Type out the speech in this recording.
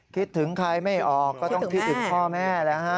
คิดถึงใครไม่ออกก็ต้องคิดถึงพ่อแม่แล้วฮะ